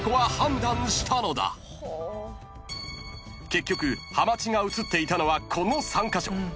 ［結局はまちが映っていたのはこの３カ所］